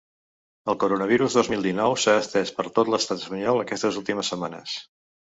El coronavirus dos mil dinou s’ha estès per tot l’estat espanyol aquestes últimes setmanes.